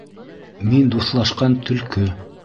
Мин дуҫлашҡан Төлкө...